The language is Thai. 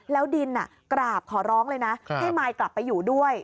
แล้วดินกราบขอร้องเลยนะให้มายกลับไปอยู่ด้วย